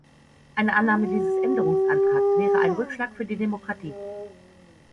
Eine Annahme dieses Änderungsantrags wäre ein Rückschlag für die Demokratie.